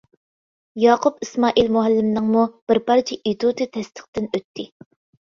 ياقۇپ ئىسمائىل مۇئەللىمنىڭمۇ بىر پارچە ئېتۇتى تەستىقتىن ئۆتتى.